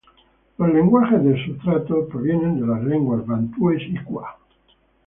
Los lenguajes de sustrato provienen de las lenguas bantúes y kwa.